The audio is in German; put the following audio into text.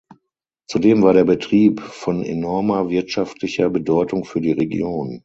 Zudem war der Betrieb von enormer wirtschaftlicher Bedeutung für die Region.